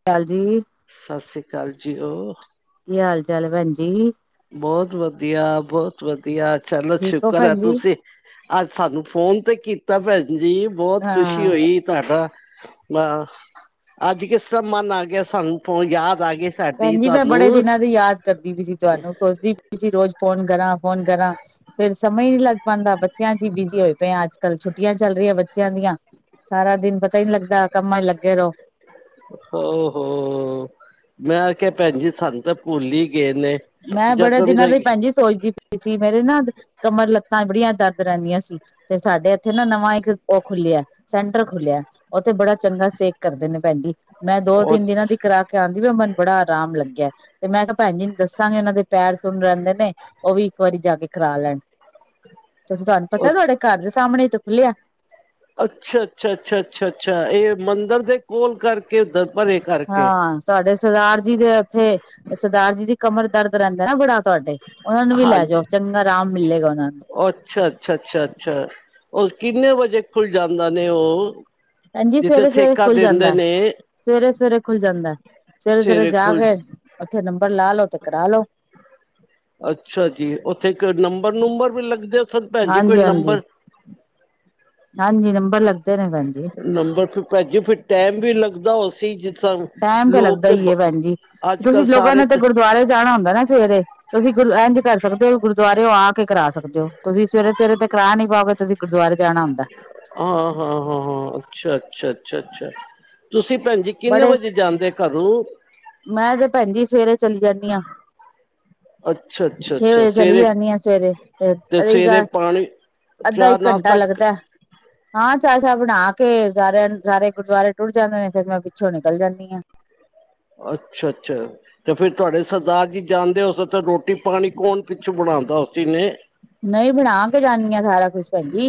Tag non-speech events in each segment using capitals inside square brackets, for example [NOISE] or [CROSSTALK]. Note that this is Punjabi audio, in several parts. ਸਤਿ ਸ੍ਰੀ ਅਕਾਲ ਜੀ ਸਤਿ ਸ੍ਰੀ ਅਕਾਲ ਜੀ ਉਹ। ਕੀ ਹਾਲ-ਚਾਲ, ਭੈਣਜੀ? ਬਹੁਤ ਵਧੀਆ, ਬਹੁਤ ਵਧੀਆ! ਚਲੋ ਠੀਕ ਹੋ ਸ਼ੁਕਰ ਹੈ ਭੈਣ ਜੀ ਤੁਸੀਂ ਅੱਜ ਸਾਨੂੰ ਫੋਨ ਤੇ ਕੀਤਾ, ਭੈਣ ਜੀ, ਬਹੁਤ ਖੁਸ਼ੀ ਹਾਂ ਹੋਈ। ਤੁਹਾਡਾ ਵ ਅੱਜ ਕਿਸ ਤਰ੍ਹਾਂ ਮਨ ਆ ਗਿਆ ਸਾਨੂੰ ਹੁਣ ਯਾਦ ਆ ਗਏ ਸਾਡੀ ਭੈਣ ਜੀ ਮੈਂ ਬੜੇ ਤੁਹਾਨੂੰ? ਦਿਨਾਂ ਦੀ ਯਾਦ ਕਰਦੀ ਵੀ ਸੀ ਤੁਹਾਨੂੰ ਸੋਚਦੀ ਵੀ ਸੀ ਰੋਜ਼ ਫੋਨ ਕਰਾਂ- ਫੋਨ ਕਰਾਂ। [INAUDIBLE] ਫਿਰ ਸਮੇ ਨੀ ਲੱਗ ਪੈਂਂਦਾ ਬੱਚਿਆਂ 'ਚ ਹੀ ਬਿਜ਼ੀ ਹੋਏ ਪਏ ਆ। ਅੱਜ-ਕੱਲ੍ਹ ਛੁੱਟੀਆਂ ਚੱਲ ਰਹੀਆਂ ਬੱਚਿਆਂ ਦੀਆਂ। ਸਾਰਾ ਦਿਨ ਪਤਾ ਹੀ ਨੀ ਲੱਗਦਾ ਕੰਮਾਂ 'ਚ ਲੱਗੇ ਰਹੋ। ਓ ਹੋ ਮੈਂ ਕਿਹਾ ਭੈਣਜੀ ਸਾਨੂੰ ਭੁੱਲ ਹੀ ਗਏ ਨੇ। ਮੈਂ ਬੜੇ ਜਦੋਂ ਦਿਨਾਂ ਦੇ ਦੀ ਭੈਣਜੀ ਸੋਚਦੀ ਪ ਸੀ ਮੇਰੇ ਨਾ ਕਮਰ ਲੱਤਾਂ ਬੜੀਆਂ ਦਰਦ ਰਹਿੰਦੀਆਂ ਸੀ ਤੇ ਸਾਡੇ ਇੱਥੇ ਨਾ ਨਵਾਂ ਇੱਕ ਉਹ ਖੁੱਲਿਆ ਸੈਂਟਰ ਖੁੱਲਿਆ ਉੱਥੇ ਬੜਾ ਚੰਗਾ ਸੇਕ ਕਰਦੇ ਨੇ ਭੈਣਜੀ। ਮੈਂ ਉਹ- ਦੋ-ਤਿੰਨ ਦਿਨਾਂ ਦੀ ਕਰਾ ਕੇ ਆਂਦੀ ਵੀ ਮਨ ਨੂੰ ਬੜਾ ਆਰਾਮ ਲੱਗਿਆ ਤੇ ਮੈਂ ਕਿਹਾ ਭੈਣ ਜੀ ਨ ਦੱਸ ਤਾਂ ਵੀ ਉਹਨਾਂ ਦੇ ਪੈਰ ਸੁਣ ਰਹਿੰਦੇ ਨੇ ਉਹ ਵੀ ਇੱਕ ਵਾਰੀ ਜਾ ਕੇ ਕਰਾ ਲੈਣ। ਤੁਸੀਂ ਤੁਹਾਨੂੰ ਪਤਾ ਉਹ- ਤੁਹਾਡੇ ਘਰ ਦੇ ਸਾਹਮਣੇ ਤੇ ਖੁੱਲਿਆ ਅੱਛਾ -ਅੱਛਾ- ਅੱਛਾ- ਅੱਛਾ -ਅੱਛਾ ਇਹ ਮੰਦਿਰ ਦੇ ਕੋਲ ਕਰਕੇ ਉੱਧਰ ਪਰੇ ਕਰਕੇ ਹਾਂ ਤੁਹਾਡੇ ਸਰਦਾਰ ਜੀ ਦੇ ਉੱਥੇ ਸਰਦਾਰ ਜੀ ਦੀ ਕਮਰ ਦਰਦ ਰਹਿੰਦਾ ਨਾ ਬੜਾ ਤੁਹਾਡੇ ਉਹਨਾਂ ਨੂੰ ਵੀ ਲੈ ਜਾਓ ਹਾਂਜੀ ਚੰਗਾ ਆਰਾਮ ਮਿਲੇਗਾ ਉਹਨਾਂ ਨੂੰ ਅੱਛਾ ਅੱਛਾ- ਅੱਛਾ- ਅੱਛਾ ਉਹ ਕਿੰਨੇ ਵਜੇ ਖੁੱਲ ਜਾਂਦਾ ਨੇ ਉਹ ਹਾਂਜੀ ਜਿੱਥੇ ਸਵੇਰੇ-ਸਵੇਰੇ ਸੇਕਾ ਖੁੱਲ ਦਿੰਦੇ ਜਾਂਦਾ, ਨੇ ਸਵੇਰੇ-ਸਵੇਰੇ ਖੁੱਲ ਜਾਂਦਾ ਸਵੇਰੇ-ਸਵੇਰੇ ਸਵੇਰੇ ਜਾ ਖੁੱਲ ਕੇ ਉੱਥੇ ਨੰਬਰ ਲਾ ਲੋ ਤੇ ਕਰਾ ਲੋ। ਅੱਛਾ ਜੀ ਉੱਥੇ ਕੋ ਨੰਬਰ-ਨੂੰਬਰ ਵੀ ਲੱਗਦੇ? ਉਥੇ ਭੈਣ ਜੀ ਕੋਈ ਹਾਂਜੀ-ਹਾਂਜੀ। ਹਾਂਜੀ ਨੰਬਰ ਹਾਂਜੀ ਨੰਬਰ ਲੱਗਦੇ ਨੇ ਭੈਣਜੀ। ਨੰਬਰ ਫਿਰ ਭੈਣਜੀ ਫਿਰ ਟਾਈਮ ਵੀ ਲੱਗਦਾ ਉਹ ਸੀ ਜਿਸਨ ਟਾਈਮ ਤਾਂ ਲੱਗਦਾ ਹੀ ਹੈ ਭੈਣ ਜੀ ਤੁਸੀਂ ਕੱਲ੍ਹ ਲੋਕਾਂ ਸਾਰੇ ਨੇ ਤਾਂ ਤੇ ਗੁਰਦੁਆਰੇ ਜਾਣਾ ਹੁੰਦਾ ਨਾ ਸਵੇਰੇ ਤੁਸੀ ਗੁਰ ਇੰਝ ਕਰ ਸਕਦੇ ਹੋ ਗੁਰਦੁਆਰੇਓ ਆ ਕੇ ਕਰਾ ਸਕਦੇ ਹੋ। ਤੁਸੀ ਸਵੇਰੇ-ਸਵੇਰੇ ਤੇ ਕਰਾ ਨੀ ਪਾਓਗੇ ਤੁਸੀਂ ਗੁਰਦੁਆਰੇ ਜਾਣਾ ਹੁੰਦਾ। ਹਾਂ -ਹਾਂ -ਹਾਂ- ਹਾਂ ਅੱਛਾ-ਅੱਛਾ-ਅੱਛਾ-ਅੱਛਾ ਤੁਸੀ ਭੈਣ ਜੀ। ਕਿੰਨੇ ਬੜੇ ਵੱਜੇ ਜਾਂਦੇ ਘਰੋਂ ਮੈਂ ਤੇ ਭੈਣਜੀ ਸਵੇਰੇ ਚਲੀ ਜਾਂਦੀ ਆਂ। ਅੱਛਾ ਅੱਛਾ ਛੇ ਅੱਛਾ ਵਜੇ ਚਲੀ ਸਵੇਰੇ ਜਾਂਦੀ ਹ ਸਵੇਰੇ ਤੇ ਰਹੀ ਸਵੇਰੇ ਗੱਲ ਪਾਣੀ ਚਾਹ ਅੱਧਾ-ਇੱਕ ਘੰਟਾ ਨਾਸ਼ਤਾ ਕ- ਲੱਗਦਾ। ਹਾਂ ਚਾਹ-ਸ਼ਾਹ ਬਣਾ ਕੇ ਸਾਰਿਆਂ ਸਾਰੇ ਗੁਰਦੁਆਰੇ ਟੁੱਰ ਜਾਂਦੇ ਨੇ ਫਿਰ ਮੈਂ ਪਿੱਛੋਂ ਨਿਕਲ ਜਾਂਦੀ ਹਾਂ। ਅੱਛਾ-ਅੱਛਾ ਤੇ ਫਿਰ ਤੁਹਾਡੇ ਸਰਦਾਰ ਜੀ ਜਾਣਦੇ ਹੋਸੇ ਤਾਂ ਰੋਟੀ ਪਾਣੀ ਕੌਣ ਪਿੱਛੋਂ ਬਣਾਉਂਦਾ ਉਸੀ ਨੇ ਨਹੀਂ ਬਣਾ ਕੇ ਜਾਂਦੀਆਂ ਸਾਰਾ ਕੁਛ ਜੀ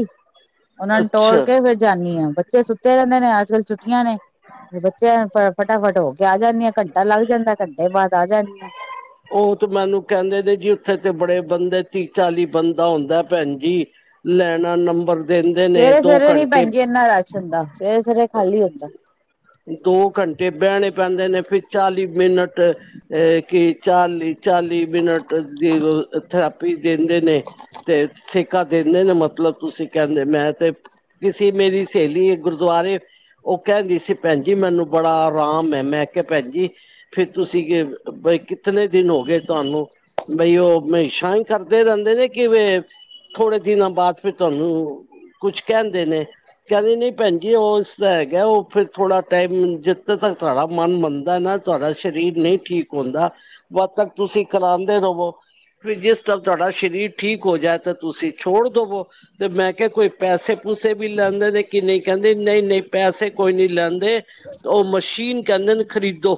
ਉਹਨਾਂ ਨੂੰ ਟੋੜ ਅੱਛਾ ਕੇ ਫਿਰ ਜਾਨੀ ਆ ਬੱਚੇ ਸੁੱਤੇ ਰਹਿੰਦੇ ਨੇ ਅੱਜ ਕੱਲ ਛੁੱਟੀਆਂ ਨੇ ਬੱਚੇ ਫਟਾਫਟ ਹੋ ਕੇ ਆ ਜਾਂਦੀ ਹਾਂ ਘੰਟਾ ਲੱਗ ਜਾਂਦਾ ਘੰਟੇ ਬਾਅਦ ਆ ਜਾਂਦੀ ਆਂ। ਉਹ ਤੇ ਮੈਨੂੰ ਕਹਿੰਦੇ ਦੇ ਜੀ ਉੱਥੇ ਤੇ ਬੜੇ ਬੰਦੇ ਤੀਹ ਚਾਲੀ ਬੰਦਾ ਹੁੰਦਾ ਭੈਣ ਜੀ ਲੈਣਾ ਨੰਬਰ ਦਿੰਦੇ ਨੇ ਦੋ ਸਵੇਰੇ-ਸਵੇਰੇ ਨੀ ਘੰਟੇ ਭੈਜੀ ਇੰਨਾ ਰਸ਼ ਹੁੰਦਾ ਸਵੇਰੇ- ਸਵੇਰੇ ਖਾਲੀ ਹੁੰਦਾ। ਦੋ ਘੰਟੇ ਬਹਿਣੇ ਪੈਂਦੇ ਨੇ ਫਰ ਚਾਲੀ ਮਿੰਟ ਅਹ ਕਿ ਚਾਲੀ -ਚਾਲੀ ਮਿੰਟ ਦੀ ਥਰਾਪੀ ਦਿੰਦੇ ਨੇ ਤੇ ਸੇਕਾ ਦਿੰਦੇ ਨੇ ਮਤਲਬ ਤੁਸੀਂ ਕਹਿੰਦੇ ਮੈਂ ਤੇ ਕਿਸੇ ਮੇਰੀ ਸਹੇਲੀ ਏ ਗੁਰਦੁਆਰੇ ਉਹ ਕਹਿੰਦੀ ਸੀ ਭੈਣ ਜੀ ਮੈਨੂੰ ਬੜਾ ਆਰਾਮ ਹੈ ਮੈਂ ਕਿਹਾ ਭੈਣ ਜੀ ਫਿਰ ਤੁਸੀ ਕਿ ਬਈ ਕਿ ਕਿਤਨੇ ਦਿਨ ਹੋ ਗਏ ਤੁਹਾਨੂੰ ਬਈ ਉਹ ਹਮੇਸ਼ਾ ਹੀ ਕਰਦੇ ਰਹਿੰਦੇ ਨੇ ਕਿਵੇ ਥੋੜੇ ਦਿਨਾਂ ਬਾਅਦ ਫਿਰ ਤੁਹਾਨੂੰ ਕੁਛ ਕਹਿੰਦੇ ਨੇ। ਕਹਿੰਦੇ ਨਹੀਂ ਭੈਣ ਜੀ ਉਸਦਾ ਹੈਗਾ ਉਹ ਫਿਰ ਥੋੜ੍ਹਾ ਟਾਈਮ ਜਿੱਥ ਤੱਕ ਤੁਹਾੜਾ ਮਨ ਮੰਨਦਾ ਨਾ ਤੁਹਾਡਾ ਸਰੀਰ ਨਹੀਂ ਠੀਕ ਹੁੰਦਾ ਵੱਦ ਤਕ ਤੁਸੀਂ ਕਰਾਂਦੇ ਰਹਵੋ। ਵੀ ਜਿਸ ਟਾਈਮ ਤੁਹਾਡਾ ਸਰੀਰ ਠੀਕ ਹੋ ਜਾਏ ਤਾਂ ਤੁਸੀਂ ਛੋੜ ਦਵੋ। ਤੇ ਮੈਂ ਕਿਹਾ ਕੋਈ ਪੈਸੇ ਪੂਸੇ ਵੀ ਲੈਂਦਾ ਤੇ ਕਿ ਨਹੀਂ ਕਹਿੰਦੇ ਨਹੀਂ- ਨਹੀਂ ਪੈਸੇ ਕੋਈ ਨਹੀਂ ਲੈਂ ਦੇ ਉਹ ਮਸ਼ੀਨ ਕਹਿੰਦੇ ਨੇ ਖਰੀਦੋ।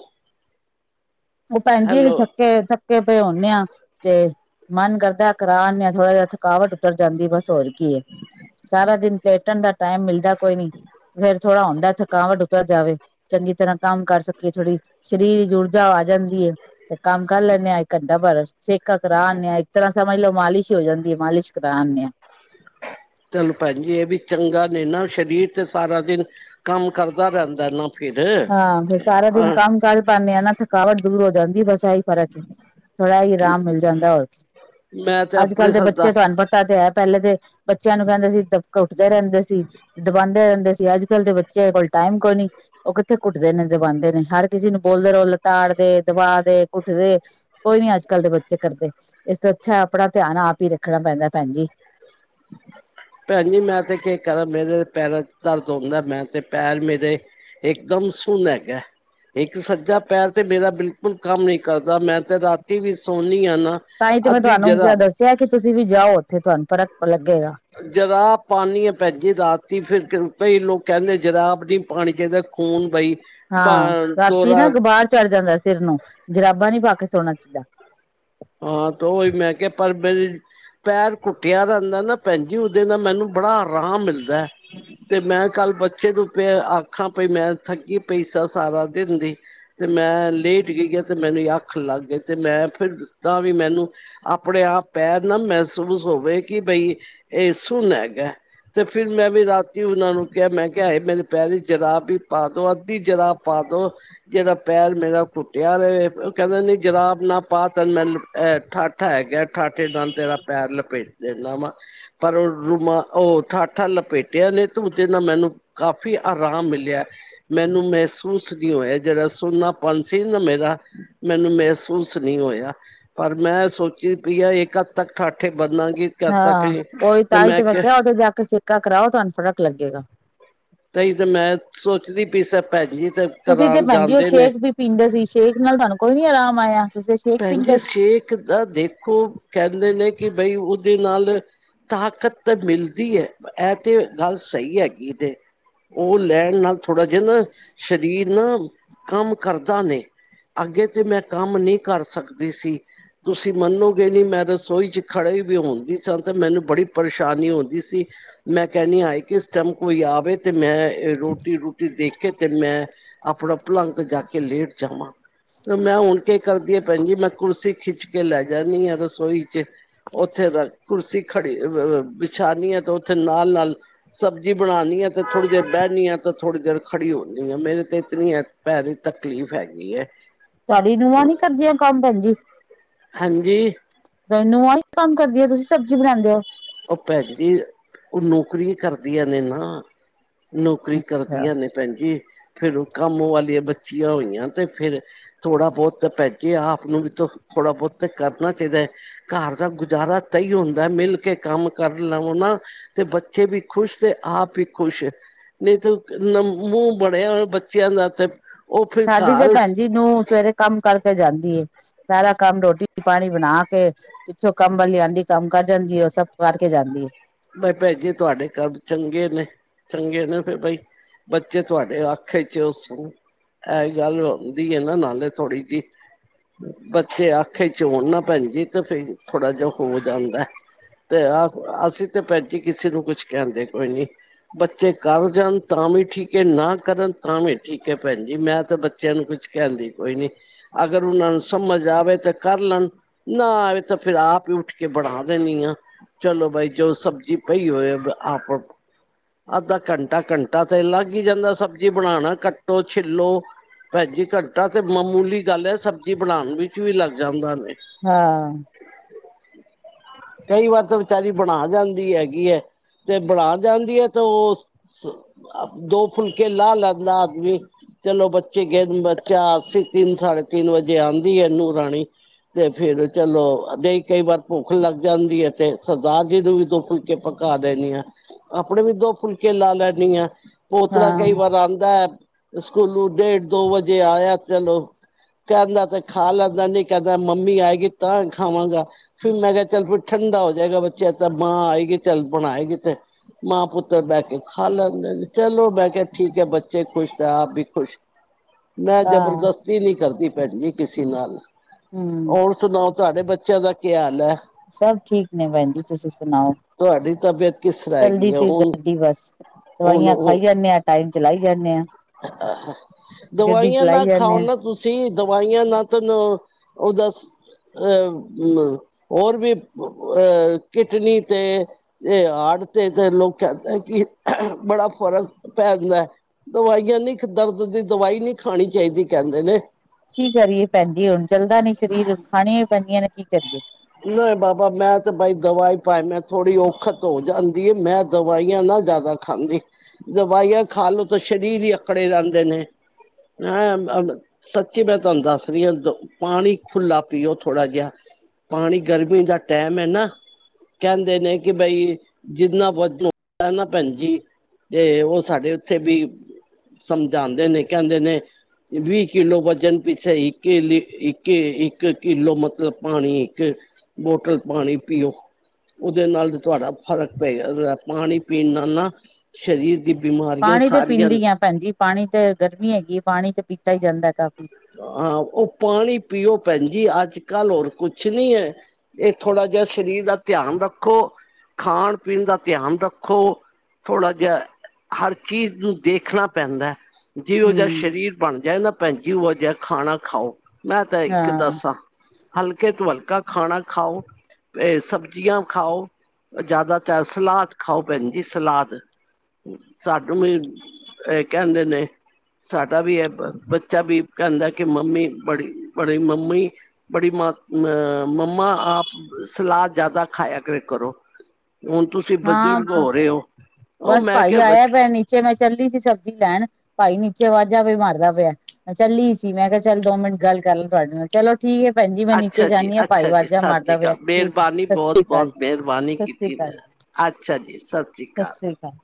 ਉਹ ਭੈਣ ਜ ਅਸੀਂ ਹੈਲੋ ਥੱਕੇ, ਥੱਕੇ ਪਏ ਹੁਣੇ ਆ ਜੇ ਮਨ ਕਰਦਾ ਕਰਾ ਆਨੇ ਆ ਥੋੜਾ ਜਿਹਾ ਰੁਕਾਵਟ ਉਤਰ ਜਾਂਦੀ ਬਸ ਹੋਰ ਕੀ ਹੈ ਐ, ਸਾਰਾ ਦਿਨ ਲੇਟਣ ਦਾ ਟਾਈਮ ਮਿਲਦਾ ਕੋਈ ਨੀ ਫੇਰ ਥੋੜਾ ਹੁੰਦਾ ਥਕਾਵਟ ਉਤਰ ਜਾਵੇ ਚੰਗੀ ਤਰ੍ਹਾਂ ਕੰਮ ਕਰ ਸਕੀਏ, ਥੋੜੀ ਸਰੀਰ ਦੀ ਊਰਜਾ ਆ ਜਾ ਜਾਂਦੀ ਏ ਤੇ ਕੰਮ ਕਰ ਲੈਂਦੇ ਹਾਂ, ਇੱਕ ਘੰਟਾ ਬਰ ਸੇਕਾ ਕਰਾਉਂਦੇ ਹਾਂ ਇੱਕ ਤਰ੍ਹਾਂ ਸਮਝ ਲੋਓ ਮਾਲਿਸ਼ ਹੀ ਹੋ ਜਾਂਦੀ ਹੈ, ਮਾਲਿਸ਼ ਕਰਾਉਂਦੇ ਹਾਂ। ਚਲੋ ਭੈਣ ਜੀ ਇਹ ਵੀ ਚੰਗਾ ਨੇ ਨਾ ਸਰੀਰ ਤੇ ਸਾਰਾ ਦਿਨ ਕੰਮ ਕਰਦਾ ਰਹਿੰਦਾ ਨਾ ਫਿਰ ਹਾਂ ਫਿਰ ਸਾਰਾ ਦਿਨ ਹਾਂ ਕੰਮ ਕਰ ਪਾਉਂਦੇ ਆ ਨਾ ਥਕਾਵਟ ਦੂਰ ਹੋ ਜਾਂਦੀ ਬਸ ਇਹੀ ਫਰਕ ਪਰ ਏ ਹੀ ਆਰਾਮ ਮਿਲ ਜਾਂਦਾ ਹੋਰ ਮੈਂ ਤੇ ਅੱਜ ਆਪਣੇ ਕੱਲ੍ਹ ਦੇ ਬੱਚੇ ਸਰਦਾਰ ਤੁਹਾਨੂੰ ਪਤਾ ਤਾ ਤੇ ਹੈ ਪਹਿਲੇ ਦੇ ਬੱਚਿਆਂ ਨੂੰ ਕਹਿੰਦੇ ਸੀ, ਦ ਘੁੱਟਦੇ ਰਹਿੰਦੇ ਸੀ ਦਬਾਉਂਦੇ ਰਹਿੰਦੇ ਸੀ, ਅੱਜ-ਕੱਲ੍ਹ ਦੇ ਕਿਸੇ ਕੋਲ ਟਾਈਮ ਕੋਈ ਨੀ ਉਹ ਕਿੱਥੇ ਘੁੱਟਦੇ ਨੇ ਦਬਉਂਦੇ ਨੇ ਹਰ ਕਿਸੇ ਨੂੰ ਬੋਲਦੇ ਰਹੋ, ਲਤਾੜ ਦੇ ਦਬਾ ਦੇ ਕੁੱਟਦੇ ਕੋਈ ਨੀ ਅੱਜ-ਕੱਲ ਦੇ ਬੱਚੇ ਕਰਦੇ, ਇਸ ਤੋਂ ਅੱਛਾ ਆਪਣਾ ਧਿਆਨ ਆਪ ਹੀ ਰੱਖਣਾ ਪੈਂਦਾ ਭੈਣ ਜੀ। ਭੈਣ ਜੀ ਮੈਂ ਤੇ ਕੀ ਕਰਾਂ ਮੇਰੇ ਪੈਰਾਂ ਦਰਦ ਹੁੰਂਦਾ ਮੈਂ ਤੇ ਪੈਰ ਮੇਰੇ ਇੱਕਦਮ ਸੁਨ ਹੇਗਾ। ਇੱਕ ਸੱਜਾ ਪੈਰ ਤੇ ਮੇਰਾ ਬਿਲਕੁਲ ਕੰਮ ਨੀ ਕਰਦਾ, ਮੈਂ ਤੇ ਰਾਤੀ ਵੀ ਸੌਦੀ ਹਾਂ ਨਾ ਤਾਂ ਹੀ ਤੇ ਮੈਂ ਅੱਧੀ ਤੁਹਾਨੂੰ ਜਰਾ ਦੱਸਿਆ, ਕਿ ਤੁਸੀਂ ਵੀ ਜਾਓ ਉੱਥੇ ਤੁਹਾਨੂੰ ਫਰਕ ਲੱਗੇਗਾ। ਜਰਾਬ ਪਾਣੀ ਹੈਲ ਭੈਜੀ ਰਾਤੀ ਫਿਰ ਕਈ ਲੋਕ ਕਹਿੰਦੇ ਜਰਾਬ ਨਹੀਂ ਪਾਣੀ ਚਾਹੀਦੀ। ਖੂਨ ਬਈ ਬ ਹਾਂ ਰਾਤੀ ਨਾ ਦੌਰਾ ਗ ਗੁਬਾਰ ਚੜ੍ਹ ਜਾਂਦਾ, ਸਿਰ ਨੂੰ ਜਰਾਬਾਂ ਨੀ ਪਾ ਕੇ ਸੋਣਾ ਚਾਹੀਦਾ। ਹਾਂ ਤੇ ਉਹੀ ਮੈਂ ਕਿਹਾ ਪਰ ਮੇਰੀ ਪੈਰ ਕੁੱਟਿਆ ਰਹਿੰਦਾ ਨਾ ਭੈਣ ਜੀ, ਉਹਦੇ ਨਾਲ ਮੈਨੂੰ ਬੜਾ ਆਰਾਮ ਮਿਲਦਾ। ਤੇ ਮੈਂ ਕੱਲ ਬੱਚੇ ਨੂੰ ਪਏ ਆਖਾਂ ਪਈ ਮੈਂ ਥਕੀ ਪੈਸਾ ਸਾਰਾ ਦਿਨ ਦੀ ਤੇ ਮੈਂ ਲੇਟ ਗਈ, ਆ ਤੇ ਮੈਨੂੰ ਅਖ ਲੱਗ ਗਏ ਤੇ ਮੈਂ ਫਿਰ ਤਾਂ ਵੀ ਮੈਨੂੰ ਆਪਣੇ ਆਪ ਪੈਰ ਨਾ ਮਹਿਸੂਸ ਹੋਵੇ ਕਿ ਬਈ ਇਹ ਸੁੂਨ ਹੇਗਾ। ਤੇ ਫਿਰ ਮੈਂ ਵੀ ਰਾਤੀ ਉਹਨਾਂ ਨੂੰ ਕਿਹਾ ਮੈਂ ਕਿਹਾ, ਇਹ ਮੇਰੇ ਪੈਰੇ ਜਰਾਬ ਹੀ ਪਾ ਦੋ ਅੱਧੀ ਜਰਾਬ ਪਾ ਦੋ ਜਿਹੜਾ ਪੈਰ ਮੇਰਾ ਕੁੱਟਿਆ ਰਹੇ, ਉਹ ਕਹਿੰਦੇ ਨੀ ਜਰਾਬ ਨਾ ਪਾ ਮੈਂਹ ਠਾਠਾ ਹੈਗਾ, ਠਾਠੇ ਨਾਲ ਤੇਰਾ ਪੈਰ ਲਪੇਟ ਦਿੰਦਾ ਵਾਂ ਪਰ ਉਹ ਰੂਮਾ ਉਹ ਠਾਠਾਂ ਲਪੇਟਿਆ ਨੇ ੳਹਦੇ ਨਾਲ ਮੈਨੂੰ ਕਾਫ਼ੀ ਆਰਾਮ ਮਿਲਿਆ। ਮੈਨੂੰ ਮਹਿਸੂਸ ਨਹੀਂ ਹੋਇਆ, ਜਿਹੜਾ ਸੁਨਾਪਨ ਸੀ ਨਾ ਮੇਰਾ ਮੈਨੂੰ ਮਹਿਸੂਸ ਨਹੀਂ ਹੋਇਆ। ਪਰ ਮੈਂ ਸੋਚੀ ਪਈ ਆ, ਇੱਕ ਹੱਦ ਤੱਕ ਠਾਠੇ ਬਣਗੀ। ਹਾਂ ਉਹੀ ਤਾਂਹੀ ਤੇ ਮੈਂ ਕਿਹਾ ਉਥ ਜਾ ਕੇ ਸਿੱਕਾ ਕਰਾਓ, ਤੁਹਾਨੂੰ ਫਰਕ ਲੱਗੇਗਾ। ਤਾਂਈ ਤਾਂ ਮੈਂ ਸੋਚਦੀ ਪਈ ਸਾ ਭੈਣ ਜੀ ਤਾਂ, ਤੁਸੀਂ ਤੇ ਭੈਣ ਜੀ ਉਹ ਸ਼ੇਕ ਵੀ ਪੀਂਦੇ ਸੀ, ਸ਼ੇਕ ਨਾਲ ਤੁਹਾਨੂੰ ਕੋਈ ਨੀ ਆਰਾਮ ਆਇਆ, ਤੁਸੀਂ ਸ਼ੇਕ ਭੈੇ ਪੀਂਦੇ ਸੀ। ਸ਼ੇਖ ਦਾ ਦੇਖੋ, ਕਹਿੰਦੇ ਨੇ ਕਿ ਬਈ ਉਹਦੇ ਨਾਲ ਤਾਕਤ ਤਾਂ ਮਿਲਦੀ ਹੈ, ਇਹ ਤੇ ਗੱਲ ਸਹੀ ਹੈਗੀ ਨੇ। ਉਹ ਲੈਣ ਨਾਲ ਥੋੜ੍ਹਾ ਜਿਹਾ ਨਾ ਸਰੀਰ ਨਾ ਕੰਮ ਕਰਦਾ ਨੇ ਅੱਗੇ ਤੇ ਮੈਂ ਕੰਮ ਨਹੀਂ ਕਰ ਸਕਦੀ ਸੀ। ਤੁਸੀਂ ਮੰਨੋਗੇ ਨੀ, ਮੈਂ ਰਸੋਈ ਚ ਖੜੇ ਵੀ ਹੁੰਦੀ ਸਨ ਤੇ ਮੈਨੂੰ ਬੜੀ ਪਰੇਸ਼ਾਨੀ ਹੁੰਦੀ ਸੀ। ਮੈਂ ਕਹਿਣੀ ਆਈ ਕਿਸ ਟਾਈਮ ਕੋਈ ਆਵੇ ਤੇ ਮੈਂ ਰੋਟੀ ਰਟੀ ਦੇਖੇ ਤੇ ਮੈਂ ਆਪਣਾ ਭਲੰਗ ਜਾ ਕੇ ਲੇਟ ਜਾਵਾਂ। ਮੈਂ ਹੁਣ ਕੇ ਕਰਦੀ ਆ। ਭੈਣ ਜੀ ਮੈਂ ਕੁਰਸੀ ਖਿੱਚ ਕੇ ਲੈ ਜਾਂਦੀ ਹਾਂ, ਰਸੋਈ ਚ ਉੱਥੇ ਰ ਕੁਰਸੀ ਖੜੀ ਵਿਛਾਨੀ ਹੈ ਤੇ ਉੱਥੇ ਨਾਲ-ਨਾਲ, ਸਬਜ਼ੀ ਬਣਾਉਂਣੀ ਆ ਤੇ ਥੋੜ੍ਹੀ ਦੇਰ ਬਹਿਣੀ ਆ ਤੇ ਥੋੜ੍ਹੀ ਦੇਰ ਖੜੀ ਹੋਦੀ ਮੇਰੇ ਤੇ ਇਤ ਪੈਸ ਦੀ ਤਕਲੀਫ਼ ਹੈਗੀ ਐ। ਤੁਹਾਡੀਆਂ ਨੂੰਹਾਂ ਨਹੀਂ ਸਬਜੀ ਕੱਟ ਸਕਦੀਆਂ ਭੈਣ ਜੀ। ਹਾਂਜੀ ਨਹੁ ਕੰਮ ਕਰਦੀ ਹੈ ਤੁਸੀਂ ਸਬਜ਼ੀ ਬਣਾਉਂਦੇ ਹੋ ਉਹ ਭੈਣ ਜੀ ਉਹ ਨੌਕਰੀ ਕਰਦੀਆਂ ਨੇ ਨਾ ਨੌਕਰੀ ਅੱਛਾ ਕਰਦੀਆਂ ਨੇ ਭੈਣਜੀ ਫੇਰ ਉਹ ਕੰਮ ਵਾਲੀਆਂ ਬੱਚੀਆਂ ਹੋਈਆਂ ਤੇ ਫੇਰ ਥੋੜਾ ਬਹੁਤ ਤਾਂ ਪੈਕੇ ਆਪ ਨੂੰ ਵੀ ਤਾਂ ਥੋੜਾ ਬਹੁਤ ਕਰਨਾ ਚਾਹੀਦਾ ਹੈ ਘਰ ਦਾ ਗੁਜ਼ਾਰਾ ਤ ਹੀ ਹੁੰਦਾ ਮਿਲ ਕੇ। ਕੰਮ ਕਰ ਲੋ ਨਾ ਤੇ ਬੱਚੇ ਵੀ ਖੁਸ਼ ਤੇ ਆਪ ਵੀ ਖੁਸ਼ ਨਹੀਂ ਤੇ ਨ ਮੂੰਹ ਬਣਿਆ ਹੋ ਬੱਚਿਆਂ ਦਾ ਤੇ ਉਹ ਫਿਰ ਸਾਡੀ ਤੇ ਘਰ ਭੈਣ ਜੀ ਨੂੰ ਸਵੇਰੇ ਕੰਮ ਕਰਕੇ ਜਾਂਦੀ ਸਾਰਾ ਕੰਮ ਰੋਟੀ ਪਾਣੀ ਬਣਾ ਕੇ ਪਿੱਛੋਂ ਕੰਮ ਵਾਲੀ ਆਂਦੀ ਕੰਮ ਕਰ ਜਾਂਦੀ ਉਹ ਸਭ ਕਰਕੇ ਜਾਂਦੀ ਏ ਬਾਈ ਭੈ ਜੇ ਤੁਹਾਡੇ ਘਰ ਚੰਗੇ ਨੇ ਚੰਗੇ ਨੇ ਫਿਰ ਬਾਈ ਬੱਚੇ ਤੁਹਾਡੇ ਆਖੇ ਚ ਉਸਨ ਇਹਹੀ ਗੱਲ ਹੁੰਦੀ ਹੈ ਨਾ ਨਾਲੇ ਥੋੜੀ ਜਿਹੀ ਬੱਚੇ ਆਖੇ ਚੋਣ ਨਾ ਭੈਣ ਜ ਤੇ ਫਿਰ ਥੋੜਾ ਜਿ ਹੋ ਜਾਂਦਾ ਤੇ ਅਸੀਂ ਤੇ ਭੈਜੀ ਕਿਸੇ ਨੂੰ ਕੁਛ ਕਹਿੰਦੇ ਕੋਈ ਨੀ ਬੱਚੇ ਕਰ ਜਾਣ ਤਾਂ ਵੀ ਠੀਕ ਹੈ ਨਾ ਕਰਨ ਤਾਂ ਵੀ ਠੀਕ ਹੈ ਭੈਣ ਜੀ ਮੈਂ ਤੇ ਬ ਬੱਚਿਆਂ ਨੂੰ ਕੁਝ ਕਹਿੰਦੀ ਕੋਈ ਨੀ ਅਗਰ ਉਹਨਾਂ ਨੂੰ ਸਮਝ ਆਵੇ ਤਾਂ ਕਰ ਲੈਣ ਨਾ ਇਹ ਤਾਂ ਫੇਿਰ ਆਪ ਹੀ ਉੱਠ ਕੇ ਬਣਾ ਦੇਣੀ ਆ ਚਲੋ ਬਾਈ ਜੋ ਸਬਜ਼ੀ ਪਈ ਹੋਏ ਆਪ ਅੱਧਾ ਘੰਟਾ ਘੰਟਾ ਤੇ ਲੱਗ ਹੀ ਜਾਂਦਾ ਸਬਜ਼ੀ ਬਣਾਉਣਾ ਕੱਟੋ ਛਿੱਲੋ ਭੈਜੀ ਘੰਟਾ ਤੇ ਮਾਮੂਲੀ ਗੱਲ ਹੈ ਸਬਜ਼ੀ ਬਣਾਉਣ ਵਿੱਚ ਵੀ ਲੱਗ ਜਾਂਦਾ ਨੇ ਹਾਂ ਕਈ ਵਾਰ ਤਾਂ ਦਾਲ ਬਣਾ ਜਾਂਦੀ ਹੈਗੀ ਹੈ ਤੇ ਬਣਾ ਜਾਂਦੀ ਹੈ ਤੇ ਉਹ ਦੋ ਫੁਲਕੇ ਲਾ ਲਦਾ ਆਦਮੀ ਚਲੋ ਬੱਚੇ ਗ ਬੱਚਾ ਅਸੀ ਤਿੰਨ ਸਾਢੇ ਤਿੰਨ ਵਜੇ ਆਉਂਦੀ ਹੈ ਇਹਨੂੰ ਰਾਣੀ ਤੇ ਫੇਰ ਚਲੋ ਦੇ ਕਈ ਵਾਰ ਭੁੱਖ ਲੱਗ ਜਾਂਦੀ ਹੈ ਤੇ ਦਾ ਜੀ ਨੂੰ ਵੀ ਦੋ ਫੁਲਕੇ ਪਕਾ ਦੇਣੀ ਆਾਂ ਆਪਣੇ ਵੀ ਦੋ ਫੁਲਕੇ ਲਾ ਲੈਦੀ ਆ ਪੋਤਰਾ ਕਈ ਹਾਂ ਵਾਰ ਆਉਂਦਾ ਹੈ ਸਕੂਲੋਂ ਡੇਢ ਦੋ ਵਜੇ ਆਇਆ ਚਲੋ ਕਹਿੰਦਾ ਤੇ ਖਾ ਲੈਂਦਾ, ਨੀ ਕਹਿੰਦਾ। ਮੰਮੀ ਆਏਗੀ ਤਾਂ ਖਾਵਾਂਗਾ। ਫਿਰ ਮੈਂ ਕਿਹਾ ਚੱਲ ਫਿਰ ਠੰਡਾ ਹੋ ਜਾਏਗਾ ਬੱਚੇ, ਤਾਂ ਮਾਂ ਆਏਗੀ ਚੱਲ ਬਣਾਏਗੀ ਤੇ। ਮਾਂ ਪੁੱਤਰ ਬਹਿ ਕੇ ਖਾ ਲੈਂਦੇ ਨੇ। ਚਲੋ ਮੈਂ ਕਿਹਾ ਠੀਕ ਹੈ। ਬੱਚੇ ਖੁਸ਼ ਤਾ ਆਪ ਵੀ ਖੁਸ਼। ਮੈਂ ਹਾਂ ਜ਼ਬਰਦਸਤੀ ਨਹੀਂ ਕਰਦੀ ਭੈਣ ਜੀ ਕਿਸੇ ਨਾਲ। ਹਮ ਹੋਰ ਸੁਣਾਓ? ਤੁਹਾਡੇ ਬੱਚਿਆਂ ਦਾ ਕੀ ਹਾਲ ਹੈ? ਸਭ ਠੀਕ ਨੇ। ਭੈਣ ਜੀ ਤੁਸੀਂ ਸੁਣਾਓ? ਤੁਹਾਡੀ ਤਬੀਅਤ ਕਿਸ ਤਰ੍ਹਾਂ ਚਲਦੀ ਹੈਗੀ ਹੈ ਪਈ ਹੁਣ ਗਡੀ ਬਸ। ਹੁਣ ਦਵਾਈਆਂ ਖਾਈ ਉਹ ਜਾਂਦੇ ਹਾਂ। ਟਾਈਮ ਚਲਾਈ ਜਾਂਨੇ ਹਾਂ। ਦਵਾਈਆਂ ਨਾ ਜਾਂਦੇ ਖਾਓ ਆ ਨਾ ਤੁਸੀਂ। ਸੀ ਦਵਾਈਆਂ ਨਾ ਤੈਨੂੰ ਉਹ ਦਸ ਅ-ਹੋਰ ਵੀ ਅਹ ਕਿਡਨੀ ਤੇ ਤੇ ਹੜ ਤੇ ਤੇ ਲੋਕ ਕਹਿੰਦੇ ਕਿ ਬੜਾ ਫ਼ਰਕ ਪੈ ਜਾਂਦਾ ਹੈ। ਦਵਾਈਆਂ ਨੀ। ਦਰਦ ਦੀ ਦਵਾਈ ਨਹੀਂ ਖਾਣੀ ਚਾਹੀਦੀ, ਕਹਿੰਦੇ ਨੇ। ਕੀ ਕਰੀਏ ਭੈਣ ਜੀ? ਹੁਣ ਚੱਲਦਾ ਨੀ ਸ਼ਰੀਰ। ਖਾਣੀਆਂ ਹੀ ਪੈਂਦੀਆਂ ਨੇ ਕੀ ਕਰੀਏ? ਨਹੀਂ ਬਾਬਾ ਮੈਂ ਤੇ ਬਈ ਦਵਾਈ, [UNINTELLIGIBLE] ਮੈਂ ਥੋੜ੍ਹੀ ਔਖਤ ਹੋ ਜਾਂਦੀ ਹੈ। ਮੈਂ ਦਵਾਈਆਂ ਨਾ ਜ਼ਿਆਦਾ ਖਾਂਦੀ। ਦਵਾਈਆਂ ਖਾ ਲੋ ਤਾਂ ਸ਼ਰੀਰ ਹੀ ਅਕੜੇ ਜਾਂਦੇ ਨੇ। [UNINTELLIGIBLE] ਮੈਂ ਅਬ ਸੱਚੀ ਮੈਂ ਤੁਹਾਨੂੰ ਦੱਸ ਰਹੀ ਹਾਂ, ਦ-ਪਾਣੀ ਖੁੱਲਾ ਪੀਓ ਥੋੜ੍ਹਾ ਜਿਹਾ। ਪਾਣੀ, ਗਰਮੀ ਦਾ ਟੈਮ ਹੈ ਨਾ। ਕਹਿੰਦੇ ਨੇ ਕਿ ਬਈ ਜਿੰਨਾ ਵ [UNINTELLIGIBLE] ਨਾ ਭੈਣਜੀ ਤੇ ਉਹ ਸਾਡੇ ਉੱਥੇ ਵੀ ਸਮਝਾਉਦੇ ਨੇ, ਕਹਿੰਦੇ ਨੇ ਵੀਹ ਕਿੱਲੋ ਵਜਨ ਪਿਛੇ-ਸਹੀ ਇੱਕ-ਇੱਕ-ਇੱਕ ਕਿੱਲੋ ਮਤਲਬ ਪਾਣੀ ਤੇ ਬੋਟਲ ਪਾਣੀ ਪੀਓ। ਉਹਦੇ ਨਾਲ ਤੁਹਾਡਾ ਫ਼ਰਕ ਪਏਗਾ, ਜਾਂ ਪਾਣੀ ਪੀਣ ਨਾਲ ਨਾ ਸ਼ਰੀਰ ਪਾਣੀ ਤਾਂ ਪੀਂਦੀ ਆ ਭੈਣਜੀ। ਪਾਣੀ ਤੇ ਗਰਮੀ ਹੈਗੀ ਆ, ਪਾਣੀ ਤੇ ਪੀਤਾ ਹੀ ਜਾਂਦਾ ਹੈ ਕਾਫ਼ੀ। ਹਾਂ ਉਹ, ਪਾਣੀ ਪੀਓ ਭੈਣ ਜੀ। ਅੱਜ ਕੱਲ ਹੋਰ ਕੁਛ ਨਹੀ ਹੈ। ਇਹ ਥੋੜ੍ਹਾ ਜਿਹਾ ਸ਼ਰੀਰ ਦਾ ਧਿਆਨ ਰੱਖੋ। ਖਾਣ ਪੀਣ ਦਾ ਧਿਆਨ ਰੱਖੋ। ਥੋੜ੍ਹਾ ਜਿਹਾ, ਹਰ ਚੀਜ਼ ਨੂੰ ਦੇਖਣਾ ਪੈਂਦਾ ਹੈ। ਜਿਹੋ ਜਿਹਾ ਹੂੰ। ਸ਼ਰੀਰ ਬਣ ਜਾਏ ਨਾ ਭੈਣਜੀ, ਓਹੋ ਜਿਹਾ ਖਾਣਾ ਖਾਓ। ਮੈਂ ਤਾਂ ਇੱਕ ਹਾਂ, ਦੱਸਾਂ। ਹਲਕੇ ਤੋਂ ਹਲਕਾ ਖਾਣਾ ਖਾਓ। ਇਹ ਸਬਜ਼ੀਆਂ ਖਾਓ ਜ਼ਿਆਦਾਤਰ ਸਲਾਦ ਖਾਓ ਭੈਣ ਜੀ, ਸਲਾਦ। ਸਾਨੂੰ ਵੀ ਇਹ ਕਹਿੰਦੇ ਨੇ, ਸਾਡਾ ਵੀ ਇਹ ਬ-ਬ ਬੱਚਾ ਵੀ ਕਹਿੰਦਾ, ਕਿ ਮੰਮੀ ਬੜੀ-ਬੜੀ ਮੰਮੀ ਬੜੀ ਮਾ ਅਹ-ਮੰਮਾ ਆਪ ਸਲਾਦ ਜ਼ਿਆਦਾ ਖਾਇਆ ਕਰੇ ਕਰੋ। ਹੁਣ ਤੁਸੀਂ ਬਜ਼ੁਰਗ ਹਾਂ ਹੋ ਰਹੇ ਹੋ। ਉਹ ਮੈਂ ਕਿਹਾ ਬ ਚੇ ਮੈਂ ਚੱਲੀ ਸੀ ਸਬਜ਼ੀ ਲੈਣ। ਭਾਈ ਨੀਚੇ ਵਾਜਾ ਵੀ ਮਾਰਦਾ ਪਿਆ ਹੈ। ਚੱਲੀ ਹੀ ਸੀ। ਮੈਂ ਕਿਹਾ ਚੱਲ ਦੋ ਮਿੰਟ ਗੱਲ ਕਰ ਲਾ ਤੁਹਾਡੇ ਨਾਲ। ਚਲੋ ਠੀਕ ਹੈ ਭੈਣ ਜੀ ਮੈਂ ਨੀਚੇ ਅੱਛਾ ਜੀ ਜਾਦੀ ਹਾਂ ਭਾਈ ਅੱਛਾ ਜੀ ਆਵਾਜਾਂ ਸਤਿ ਸ੍ਰੀ ਮਾਰਦਾ ਪਿਆ ਹੈ। ਅਕਾਲ ਠੀਕ ਹੈ, ਮਿਹਰਬਾਨੀ ਸਤਿ ਸ੍ਰੀ ਬਹੁਤ ਅਕਾਲ ਜੀ। ਬਹੁਤ ਮਿਹਰਬਾਨੀ ਸਤਿ ਸ੍ਰੀ ਕੀਤੀ ਅਕਾਲ ਜੀ। ਅੱਛਾ ਜੀ ਸਤ ਸਤਿ ਸ੍ਰੀ ਅਕਾਲ।